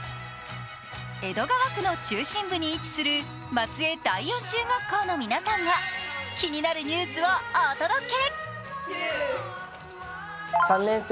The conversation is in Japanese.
江戸川区の中心部に位置する松江第四中学校の皆さんが気になるニュースをお届け！